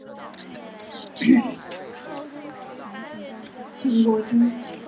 请国君派人替我给子重进酒。